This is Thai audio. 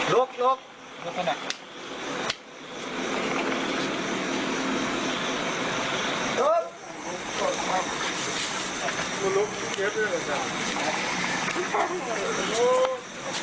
ลุกลุก